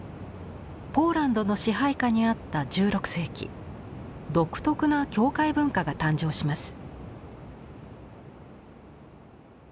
ポーランドの支配下にあった１６世紀独特な教会文化が誕生します。